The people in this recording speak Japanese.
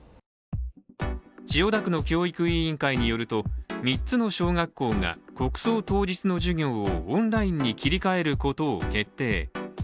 千代田区の教育委員会によると３つの小学校が国葬当日の授業をオンラインに切り替えることを決定。